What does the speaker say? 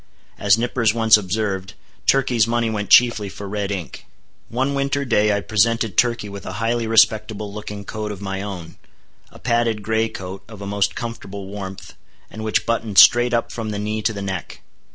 As Nippers once observed, Turkey's money went chiefly for red ink. One winter day I presented Turkey with a highly respectable looking coat of my own, a padded gray coat, of a most comfortable warmth, and which buttoned straight up from the knee to the neck.